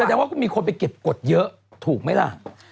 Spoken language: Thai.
แสดงว่าก็มีคนไปเก็บกฎเยอะถูกไหมล่ะ